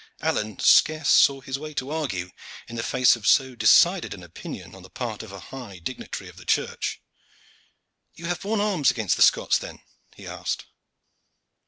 Alleyne scarce saw his way to argue in the face of so decided an opinion on the part of a high dignitary of the Church. "You have borne arms against the Scots, then?" he asked.